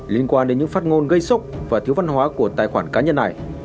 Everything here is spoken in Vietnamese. liên quan đến những phát ngôn gây sốc và thiếu văn hóa của tài khoản cá nhân này